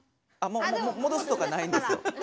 もうもどすとかないんですよ。